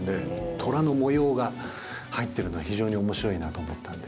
トラの模様が入ってるのは非常に面白いなと思ったんで。